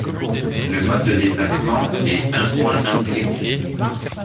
Le mode de déplacement est un point and click.